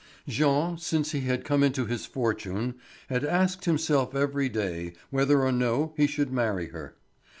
Jean, since he had come into his fortune, had asked himself every day whether or no he should marry her.